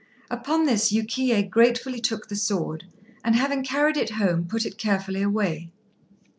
Upon this Yukiyé gratefully took the sword, and having carried it home put it carefully away.